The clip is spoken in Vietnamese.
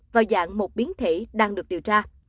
vào dạng một biến thể đang được điều tra